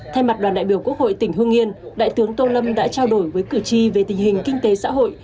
thay mặt đoàn đại biểu quốc hội tỉnh hương yên đại tướng tô lâm đã trao đổi với cử tri về tình hình kinh tế xã hội